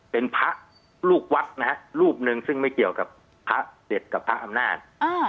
เป็นพระลูกวัดนะฮะรูปหนึ่งซึ่งไม่เกี่ยวกับพระเด็ดกับพระอำนาจ